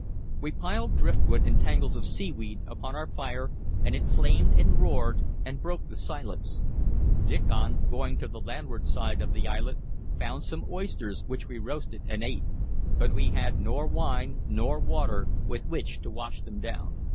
We piled driftwood and tangles of seaweed upon our fire, and it flamed and roared and broke the silence. Diccon, going to the landward side of the islet, found some oysters, which we roasted and ate; but we had nor wine nor water with which to wash them down.